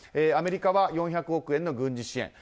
アメリカは４００億円の軍事支援